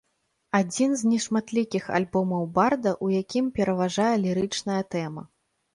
Адзін з нешматлікіх альбомаў барда, у якім пераважае лірычная тэма.